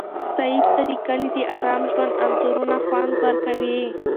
سعید ته د کلي د ارام ژوند انځورونه خوند ورکوي.